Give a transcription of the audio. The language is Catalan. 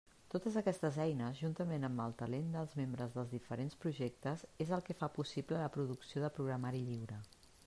Totes aquestes eines, juntament amb el talent dels membres dels diferents projectes, és el que fa possible la producció de programari lliure.